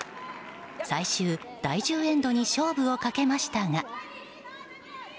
最終第１０エンドに勝負をかけましたが。